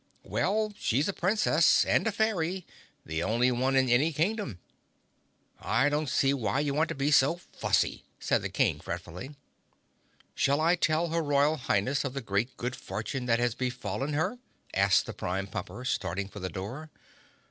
"Well, she's a Princess and a fairy—the only one in any Kingdom. I don't see why you want to be so fussy!" said the King fretfully. "Shall I tell her Royal Highness of the great good fortune that has befallen her?" asked the Prime Pumper, starting for the door.